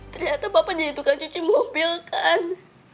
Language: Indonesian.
ternyata bapak jadi tukang cuci mobil kan